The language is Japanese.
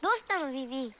ビビ。